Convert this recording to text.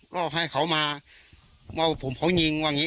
อกให้เขามาว่าผมเขายิงว่าอย่างนี้